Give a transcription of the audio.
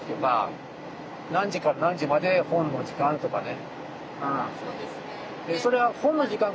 何時から何時まで本の時間とかね。